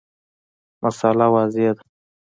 مسأله واضحه ده.